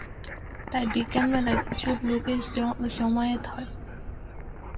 তাই বিজ্ঞান মেলায় প্রচুর লোকের জমায়েত হয়।